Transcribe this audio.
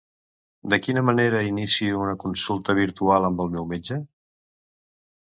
De quina manera inicio una consulta virtual amb el meu metge?